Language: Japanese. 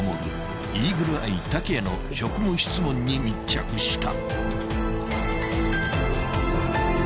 イーグルアイ竹谷の職務質問に密着した］